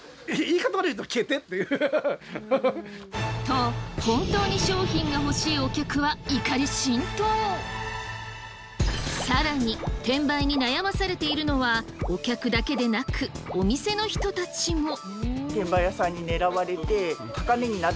と本当に商品が欲しいお客は更に転売に悩まされているのはお客だけでなくお店の人たちも。